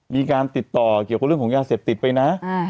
มีการติดต่อเกี่ยวกับเรื่องของยาเสพติดไปนะ